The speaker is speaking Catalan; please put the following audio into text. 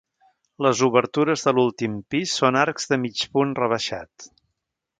Les obertures de l'últim pis són arcs de mig punt rebaixat.